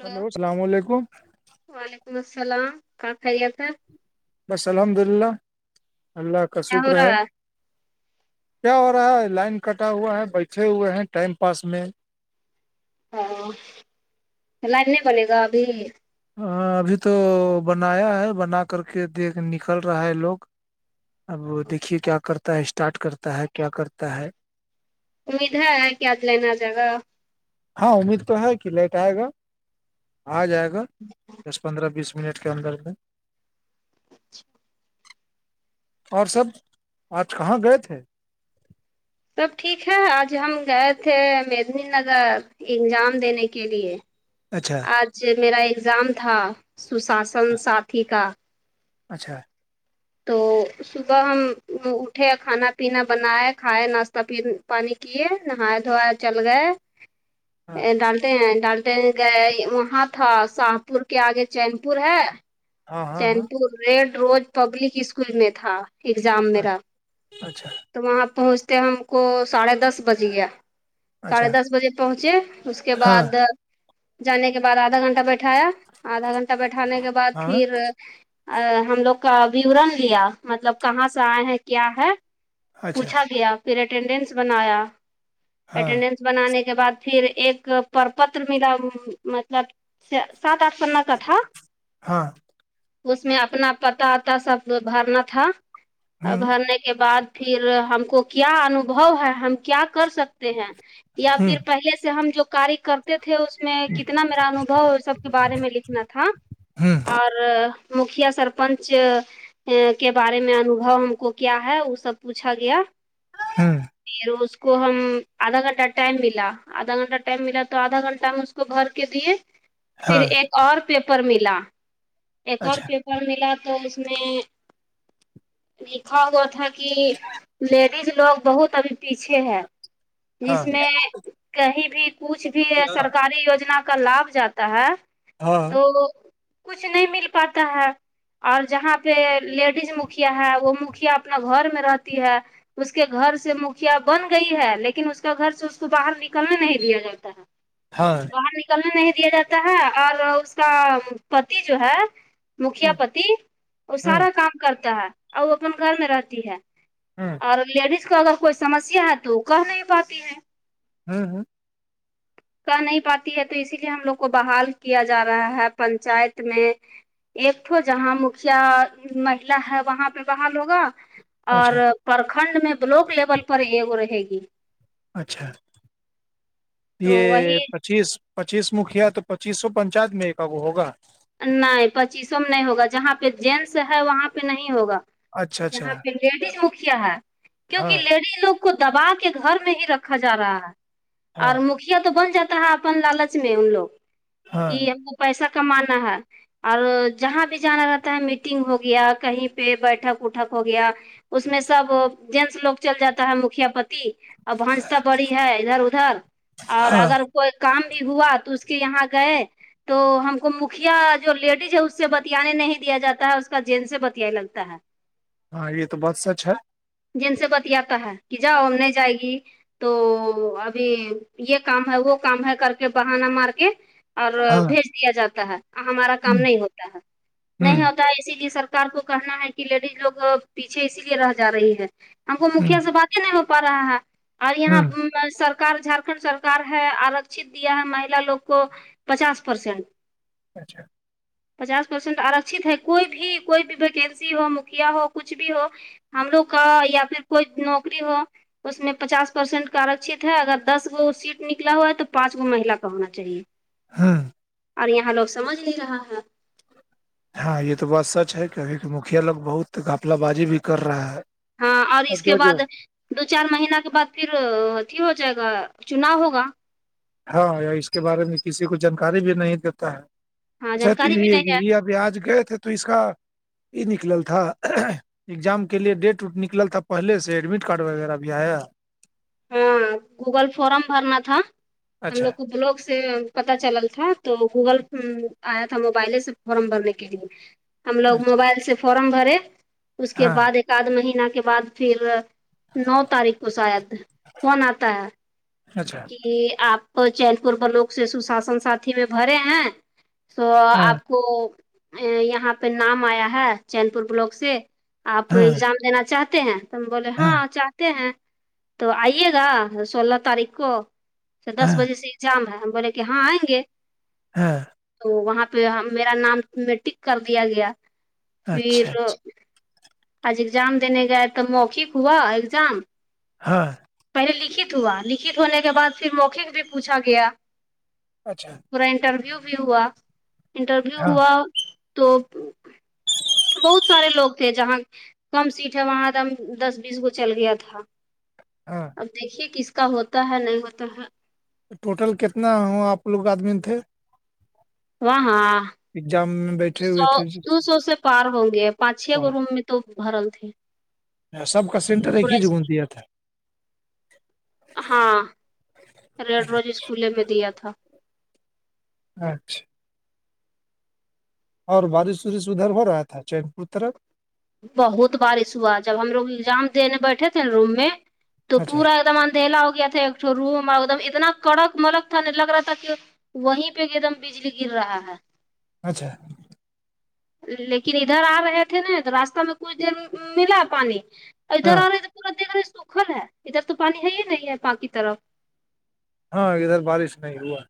hello السلام علیکم وعلیکم السلام کا خیریت ہے بس الحمد للہ اللہ کا کیا ہو شکر رہا ہے کیا ہو رہا ہے لائن کٹا ہوا ہے بیٹھے ہوئے ہیں ٹائم پاس میں [inaudible] ہاں لائن نہیں بولے گا ابھی ہاں ابھی تو بنایا ہے بنا کر کے دیکھ نکل رہا ہے لوگ اب دیکھیے کیا کرتا ہے اسٹارٹ کرتا ہے کیا کرتا ہے امید ہے ہے کہ آج لین آ جائے گا ہاں امید تو ہے کہ لیٹ آئے گا آ جائے گا دس پندرہ بیس منٹ کے اندر [unintelligible] اور سب آج کہاں گئے تھے سب ٹھیک ہے آج ہم گئے تھے مدنی نگر ایگزام دینے کے لیے اچھا آج میرا ایگزام تھا سساسن ساتھی کا اچھا تو صبح ہم اٹھے کھانا پینا بنائے کھائے ناشتہ پ پانی کیے نہایا دھویا چل گئے ہاں ڈالتے ہیں ڈال گئے وہاں تھا شاہ پور کے آگے چین پور ہے ہاں ہاں چین ہاں پور ریڈ روز پبلک اسکول میں تھا ایگزام میرا اچھا تو وہاں پہنچتے ہم کو ساڑھے دس بج گیا ساڑھے اچھا دس بجے پہنچے اس کے ہاں بعد جانے کے بعد آدھا گھنٹہ بیٹھایا آدھا گھنٹہ بیٹھانے کے بعد ہاں پھر ہم لوگ کا وورورن لیا مطلب کہاں سے آئے ہیں کیا ہے اچھا پوچھا گیا پھر اٹینڈینس بنایا ہاں اٹینڈنس بنانے کے بعد پھر ایک پر پتر ملا مطلب سات آٹھ پنا کا تھا ہاں اس میں اپنا پتاوتا سب بھرنا تھا ہ بھرنے کے بعد پھر ہم کو کیا انوبھو ہے ہم کیا کر سکتے ہیں یا ہ پھر پہلے سے ہم جو کار کرتے تھے اس میں کتنا میرا انوبھو اس سب کے بارے میں لکھنا تھا ہ اور مکھیا سرپنچ کے بارے میں انوبھو ہم کو کیا ہے وہ سب پوچھا گیا ہمم پھر اس کو ہم آدھا گھنٹہ ٹائم ملا آدھا گھنٹہ ٹائم ملا تو آدھا گھنٹہ ہم اس کو بھر کے دیے پھر ہاں ایک اور پیپر ملا ایک اور اچھا پیپر ملا تو تو اس میں لکھا ہوا تھا کہ لیڈیز لوگ بہت ابھی پیچھے ہے ہاں جس میں کہیں بھی کچھ بھی سرکاری یوجنا کا لابھ جاتا ہے ہاں تو کچھ نہیں مل پاتا ہے اور جہاں پہ لیڈیز مکھیا ہے وہ مکھیا اپنا گھر میں رہتی ہے اس کے گھر سے مکھیا بن گئی ہے لیکن اس کا گھر سے اس کو باہر نکلنے نہیں دیا جاتا تا ہے ہاں باہر نکلنے نہیں دیا جاتا ہے اور اس کا پتی جو ہے مکھیا ہوں پتی وہ ہوں سارا کام کرتا ہے اور وہ اپن گھر میں رہتی ہے ہاں اور لیڈیز کا اگر کوئی سمسیا ہے تو وہ کہہ نہیں پاتی ہے ہمم ہمم کہہ نہیں پاتی ہے تو اسی لیے ہم لوگ کو بحال کیا جا رہا ہے پنچایت میں ایک تو جہاں مکھیا مہیلا ہے وہاں پہ بحال ہوگا اور اچھا پرکھنڈ میں بلاک لیول پر یہ وہ رہے گی اچھا تو یہ وہی پچیس پچیس مکھیا تو پچیس سو پنچایت میں ایک وہ ہوگا نہیں پچیسوں میں نہیں ہوگا جہاں پہ جینٹس ہے وہاں پہ نہیں ہوگا اچھا اچھا جہاں پہ لیڈیز مکھیا ہے کیوںکہ ہاں لیڈیز لوگ کو دبا کے گھر میں ہی رکھا جا رہا ہے ہاں اور مکھیا تو بن جاتا ہے اپن لالچ میں ان لوگ ہاں کہ ہم پیسہ کمانا ہے اور جہاں بھی جانا رہتا ہے میٹنگ ہو گیا کہیں پہ بیٹھک وٹھک ہو گیا اس میں سب جینس لوگ چل جاتا ہے مکھیا پتی اور ونس تو بڑی ہے ادھر ادھر اور ہاں اگر کوئی کام بھی ہوا تو اس کے یہاں گئے تو ہم کو مکھیا جو لیڈیز ہے اس سے بتیانے نہیں دیا جاتا ہے اس کا جین سے بتیا لگتا ہے ہاں یہ تو بہت سچ ہے جن سے بتیاتا ہے کہ جاؤ ہم نہیں جائے گی تو ابھی یہ کام ہے وہ کام ہے کر کے بہانا مار کے اور ہاں بھیج دیا جاتا ہے ہمارا کام ہوں نہیں ہوتا ہے نہیں ہوں ہوتا اسی لیے سرکار کو کہنا ہے کہ لیڈیز لوگ پیچھے اسی لیے رہ جا رہی ہے ہم کو ہوں مکھیا سے بات نہیں ہو پا رہا ہے اور یہاں ہوں سرک جھارکھنڈ سرار ہے آرکت دیا ہے مہیلا لوگ کو پچاس پرسینٹ اچھا پچاس پرسینٹ آرکھت ہے کوئی بھی کوئی بھی ویکنسی ہو مکھیا ہو کچھ بھی ہو ہم لوگ کا یا پھر کوئی نوکری ہو اس میں پچاس پرسینٹ کا آرکت ہے اگر دس گو سیٹ نکلا ہوا ہے تو پانچ گو مہیلا کا ہونا چاہیے ہاں اور یہاں لوگ سمجھ نہیں رہا ہے ہاں یہ تو بات سچ ہے کہ ابھی کے مکھیا لوگ بہت گافلہ بازی بھی کر رہا ہے ہاں اور اس کے جو جو بعد دو چار مہینہ کے بعد پھر اھی ہو جائے گا چنا ہوگا ہاں اس کے بارے میں کسی کو جانکاری بھی نہیں دیتا ہے ہاں اچھا تو جانکاری بھی یہ نہیں ہے یہ آج گئے تھے تو اس کا یہ نکلل تھا اگزام کے لیے ڈیٹ وٹ نکل تھا پہلے سے ایڈمٹ کارڈ وغیرہ بھی آیا ہاں گوگل فورم بھرنا تھا ہم اچھا لوگ کو بلاگ سے پتا چلل تھا تو گوگل آیا تھا موبائلے سے فارم بھرنے کے لیے ہم لوگ اچھا موبائل سے فارم بھرے اس کے ہاں بعد ایک آدھ مہینہ کے بعد پھر نو تاریخ کو شاید فن آتا ہے اچھا کہ آپ چین پور پر لوگ سے سشاسن ساتھی میں بھرے ہیں تو ہاں آپ کو یہاں پہ نام آیا ہے چین پور بلاک سے آپ ہاں ایگزام دینا چاہتے ہیں بولے ہاں ہیں تو آئیے گا سولہ تاریخ کو دس ہاں بجے سے جام ہے ہم بولے کہ ہاں آئیں گے ہاں تو وہاں پہ میرا نام میں ٹک کر دیا گیا پھر اچھا اچھا آج ایگزام دینے گئے تو موخک ہوا ایگزام ہاں پہلے لکھت ہوا لکھت ہونے کے بعد پھر موخک بھی پوچھا گیا اچھا میرا انٹرویو بھی ہوا انٹرویو ہاں ہوا تو بہت سارے لوگ تھے جہاں کم سیٹ ہے وہاں دم دس بیس گ چل گیا تھا ہاں اب دیکھیے کس کا ہوتا ہے نہیں ہوتا ہے تو ٹوٹل کتنا ہوا آپ لوگ آدمی تھے وہ ہاں ایگزام میں بیٹھے ہوئے سو تھے دو سو سے پار ہوں گے پانچ چھ کو روم میں تو بھرل تھی سب کا سینٹر ایک ہی جگون دیا تھا ہاں ریڈ روز اسکولے میں دیا تھا اچھا اور بارش وارش ادھر ہو رہا تھا چین پور طرف بہت بارش ہوا جب ہم لوگ ایگزام دینے بیٹھے تھے نا روم میں تو اچھا پورا ایک دم ڈھیلا ہو گیا تھا ایک روم ایک دم اتنا کڑک ملک تھا نہیں لگ رہا تھا کہ وہیں پہ ایک ایک دم بجلی گر رہا ہے اچھا لیکن ادھر آ رہے تھے نا تو راستہ میں کچھ دیر ملا پانی ادھر ہاں آ رہے تورت دیکھ رہے سوکھل ہے ادھر تو پانی ہے ہی نہیں ہے پا کی طرف ہاں ادھر بارش نہیں ہوا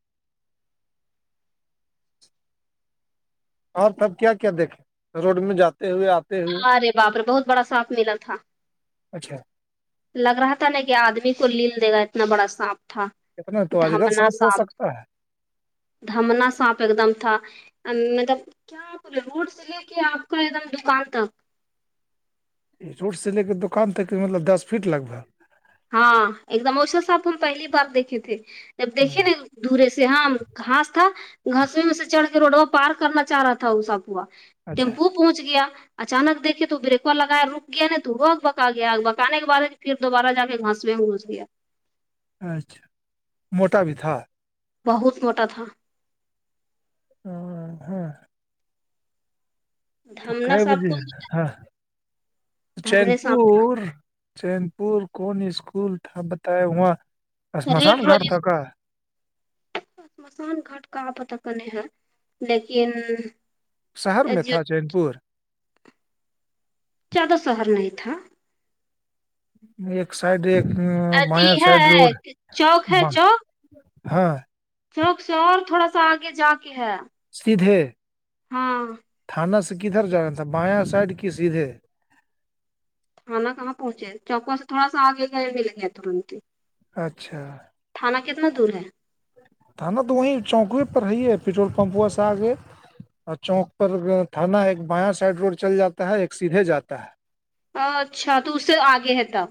اور تب کیا کیا دیکھے روڈ میں جاتے ہوئے آتے ہوئے ارے بابرے بہت بڑا سات ملا تھا اچھا لگ رہا تھا نا کہ آدمی کو لل دے گا اتنا بڑا سانپ تھا کتنا تو اجگر دھامنا سانپ ہو صانپ سکتا دھمنا سانپ ایک دم تھا مطلب روڈ سے لے کے آپ کا ایک دم دکان تک روڈ سے لے کے دکان تک مطلب دس فٹ لگ بھگ ہاں ایک دم اوسان سانپ ہم پہلی بار دیکھے تھے جب ہوں، دیکے نا دورے سے ہاں کہاس تھا گسوے میں سے چڑھ کے روڈوا پار کرنا چاہ رہا تھا اسا پوا اچھا ٹیمپو پہنچ گیا اچانک دیکھے تو بریکر لگایا رک گیا ن تو وہ اگ بکا گیا آگ بکان کےعد پھر دوبارہ جا کے گھاس میں گھس گیا اچھا موٹا بھی تھا بہت موٹا تھا ہاں تو دھمنا کئے سانپ بجے کو ہاں چین دھمنے سانپ پور چین پور کون اسکول تھا بتیا وہاں شمشان گھاٹ تھا کا شمشان گاٹ کا آپت کانے ہے لیکن شہر میں تھا جو چین پور زیادہ شہر نہیں تھا ایک سائڈ ایک اھی بایاں سائڈ روڈ ہے چوک ہاں شوک سے اور تھوڑا سا آگے جا کے ہے سیدھے ہاں تھانہ سے کدھر جانا تھا باائیاں سائڈ کی سیدھے تھانا کہاں پہنچے چوکوا سے تھوڑا سا آگے مل گیا ترنت ہی اچھا تھانا کتنا دور ہے تھا نا تو وہیں چوکوے پر ہی ہے پٹرول پمپوا سے آ گئے اور چوک پر تھانا ایک بیاں سائڈ روڈ چل جاتا ہے ایک سیدھے جاتا ہے اچھا تو اس سے آگے ہے تب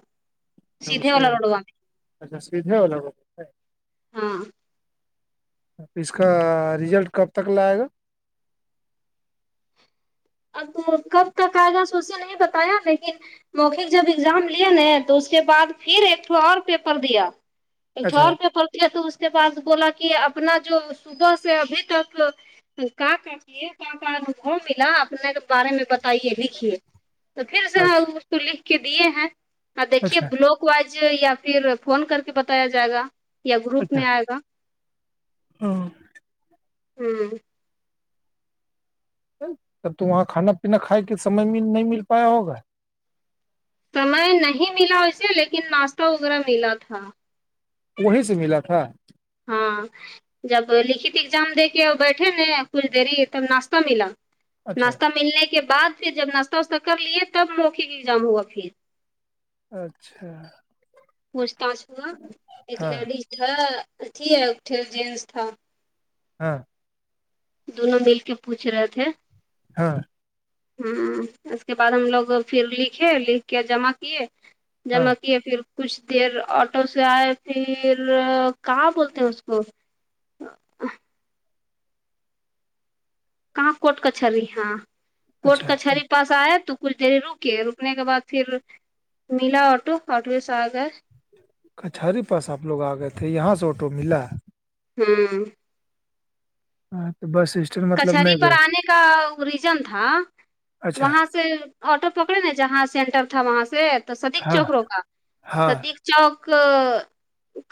اچا اس سیدھے سے والا روڈوا اچا سد ہے وہ لوگ ہاں تو اس کا ریزلٹ کب تک لائے گا اب تو کب تک آئے گا سوے نہیں بتایا لیکن موخک جب ایگزام لیا ن تو اس کے بعد پھر ایک تھوا اور پیپر دیا اچھا اٹھور پہ پڑھتی ہے تو اس کے باس بولا کہ اپنا جو صبح سے ابھی تک [inaudible] نے کے بارے میں بتائیے لکھیے تو پھر سے اچھا اس کو لکھ کے دیے ہیں دیکھیے اچھا بلاک وائز یا پھر فون کر کے بتایا جائے گا یا گروپ میں آئے گا ہو ہاں ب تو وہاں کھانا پینا کھائے کے سمے میں نہیں مل پایا ہوگا سمے نہیں ملا اسے لیکن ناشتہ وغیرہ ملا تھا وہیں سے ملا تھا ہاں جب لکھت اگزام دے کے بیٹھے ن کچھ دری تب ناشتہ ملا اچھا ناشتہ ملنے کے بعد پھر جب ناشتہ واشہ کر لیے تب موکے ایگزام ہوا پھر اچھا پوچھتااچھ ہوا ایک ہاں لیڈیز تھا ا تھی ہے ا جینس تھا ہاں دونوں مل کے پوچھ رہے تھے ہاں ہوں اس کے بعد ہم لوگ پھر لکھے لکھ کے جمع کیے ہاں جمع کیے پھر کچھ دیر آٹو سے آئے پھر کہاں بولتے ہیں اس کو کہاں کوٹ کچہری ہاں کوٹ اچھا کچہری پاس [unintelligible] شاید تو کچھ دیر رکے رکنے کے بعد پھر ملا آٹو آٹو سے آ گئے کچہری پاس آپ لوگ آ گئے تھے یہاں سے آٹو ملا ہاں ہاں تو بس اسٹینڈ مطلب کچہری نہیں پر گئے تھے آنے کا ریجن تھا اچھا وہاں سے آٹو پکڑے نا جہاں سینٹر تھا وہاں سے تو سدیق ہاں چوکروں کا ہاں سدق چوک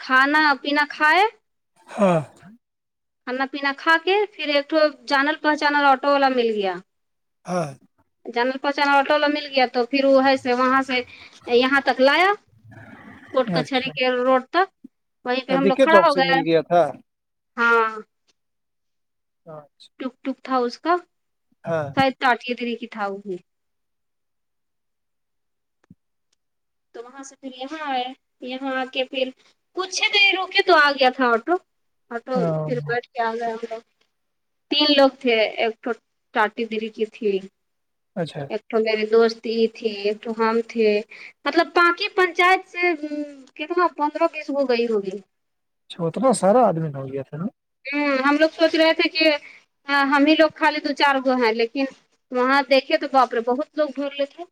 کھانا پنا کھائے ہاں کھانا پینا کھا کے پھر ایکٹھ جانل پہچانل آٹو والا مل گیا ہاں جانل پہچانا آٹو ل مل گیا تو پھر وہ ہے سے وہاں سے یہاں تک لایا کوٹ اچھا کچہری کے روڈ تک وہیں پہ ہم ندی لوگ کے کھڑا چوک ہو سے گیا مل تھا ہاں ااںچھا ٹک ٹک تھا اس کا ہاں شاید تٹے تے کی تھا وہ ہے تو وہاں سے پھر یہاں آئے یہاں آ کے پھر کچھ ہی دیر رکے تو آ گیا تھا آٹو آٹو پھر ب کیا گئے ہم لوگ تین لوگ تھے ایک تو ٹاٹی دری کی تھی اچھا ایکٹو میے دوست یہ تھی ایکٹو ہم تھے مطلب پاناکی پنچایت سے کتنا پندرہ بیس ہو گئی ہوگی [unintelligible] اتنا سارا آدمی ن نہ ہو گیا تھا نا ہ ہم لوگ سوچ رہے تھے کہ ہم ہی لوگ خالی دو چار گو ہیں لیکن وہاں دیکھے تو باپرے بہت لوگ گول لیے تھے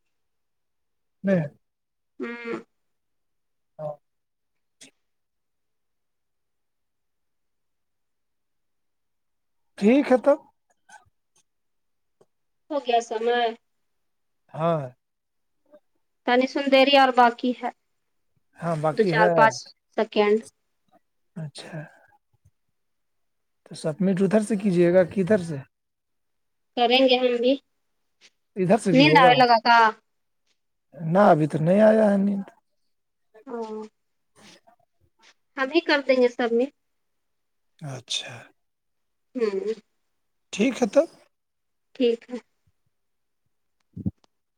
ہوں ہوں ہاں [inaudible] ٹھیک ہے تب ہو گیا سمے ہاں تنی سندیری اور باقی ہے ہاں دو باقی چار ہے پانچ سکینڈ [unintelligible] اچھا تو سبمٹ ادھر سے کیجیے گا کدھر سے کریں گے ہم بھی ادھر سے بھی نیند آ ہوگا لگا کا نہ ابھی تو نہیں آیا ہے نیند [inaudible] ہم ہی کر دیں گے سب میں اچھا ہوں ٹھیک ہے توب [unintelligible] ٹھیک ہے [inaudible]